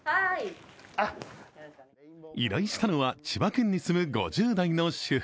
依頼したのは千葉県に住む５０代の主婦。